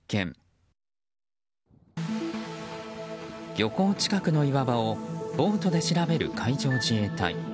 漁港近くの岩場をボートで調べる海上自衛隊。